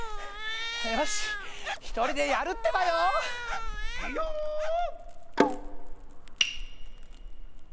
よしひとりでやるってばよ！・イヨーオ！